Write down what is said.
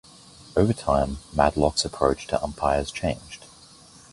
Over time, Madlock's approach to umpires changed.